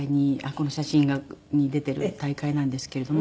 この写真に出ている大会なんですけれども。